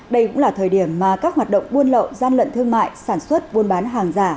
đây cũng là thời điểm mà các hoạt động buôn lậu gian lận thương mại sản xuất buôn bán hàng giả